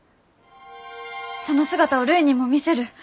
その姿をるいにも見せる。